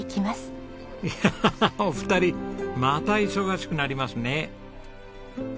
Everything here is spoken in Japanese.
いやお二人また忙しくなりますね。